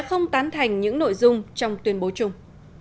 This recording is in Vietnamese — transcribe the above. không tán thành những nội dung trong tuyên bố chung